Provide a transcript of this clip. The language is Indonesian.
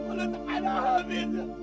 allah tak ada habis